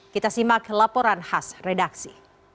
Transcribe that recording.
kita simak laporan khas redaksi